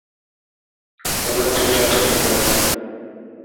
پلنگ تي چادر وڇا.